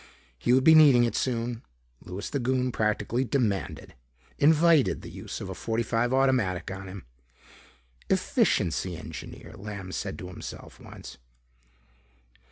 He would be needing it soon. Louis the Goon practically demanded, invited, the use of a .45 automatic on him. "Efficiency engineer," Lamb said to himself once.